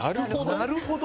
「なるほど」？